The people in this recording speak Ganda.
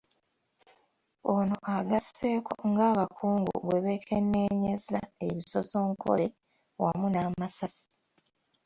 Ono agasseeko ng’abakungu bwe beekenneenyezza ebisosonkole wamu n’amasasi.